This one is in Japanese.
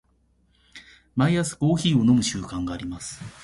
毎朝コーヒーを飲む習慣があります。